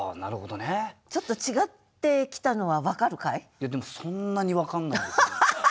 いやでもそんなに分かんないですね。